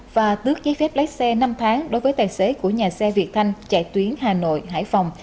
và tước giấy phép lái xe năm tháng đối với tài xế của nhà xe việt thanh chạy tuyến hà nội hải phòng